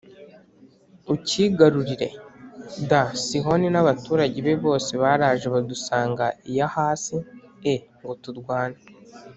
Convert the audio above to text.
ucyigarurire d Sihoni n abantu be bose baraje badusanga i Yahasi e ngo turwane